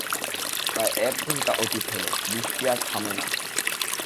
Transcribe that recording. প্রায় এক ঘণ্টা অতীত হল, বৃষ্টি আর থামে না।